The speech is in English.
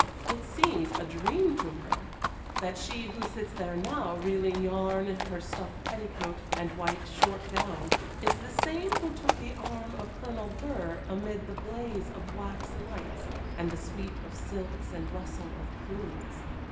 It seems a dream to her, that she who sits there now reeling yarn in her stuff petticoat and white short gown is the same who took the arm of Colonel Burr amid the blaze of wax lights, and the sweep of silks and rustle of plumes.